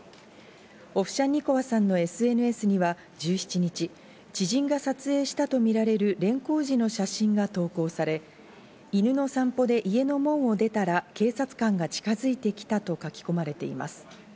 オフシャンニコワさんのＳＮＳには１７日、知人が撮影したとみられる連行時の写真が投稿され、犬の散歩で家の門を出たら警察官が近づいてきたと書き込まれています。